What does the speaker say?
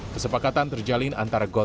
kesepakatan terjalin antara golkar